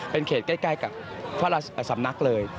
เป็นเขตใกล้กับพระราชสำนักเลย